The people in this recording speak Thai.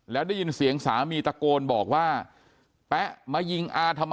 แล้วได้ยินเสียงสามีตะโกน